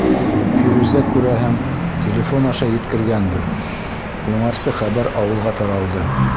Фирүзә, күрәһең, телефон аша еткергәндер, уңарсы хәбәр ауылға таралды.